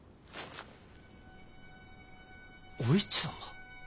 お市様？